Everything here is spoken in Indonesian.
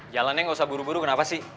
jalannya nggak usah buru buru kenapa sih